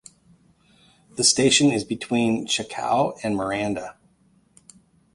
The station is between Chacao and Miranda.